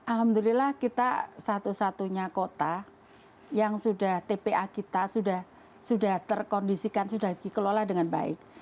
alhamdulillah kita satu satunya kota yang sudah tpa kita sudah terkondisikan sudah dikelola dengan baik